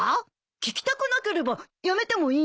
聞きたくなければやめてもいいんだよ。